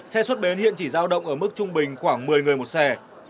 xe xuất bến hiện chỉ giao động ở mức trung bình khoảng một mươi người một xe